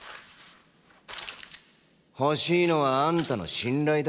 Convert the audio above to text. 欲しいのはあんたの信頼だ。